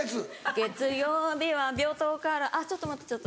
月曜日は病棟からあっちょっと待ってちょっと。